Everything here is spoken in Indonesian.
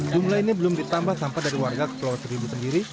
jumlah ini belum ditambah sampah dari warga kepulauan seribu sendiri